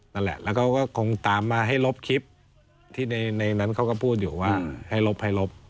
นั่นแหละแล้วเขาก็คงตามมาให้ลบคลิปที่ในนั้นเขาก็พูดอยู่ว่าให้ลบให้ลบ